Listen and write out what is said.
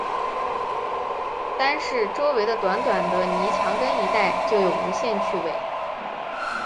单是周围的短短的泥墙根一带，就有无限趣味